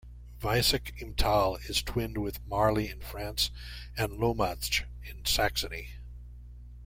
Weissach im Tal is twinned with Marly in France and Lommatzsch in Saxony.